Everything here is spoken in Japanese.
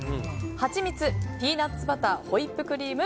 ハチミツ、ピーナッツバターホイップクリーム。